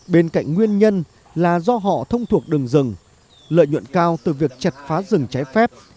bên cạnh nguyên nhân là do họ thông thuộc đường rừng lợi nhuận cao từ việc chặt phá rừng trái phép